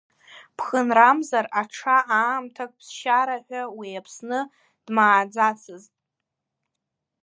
Ԥхынрамзар аҽа аамҭак ԥсшьара ҳәа уи Аԥсны дмааӡацызт.